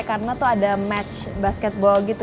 karena tuh ada match basketball gitu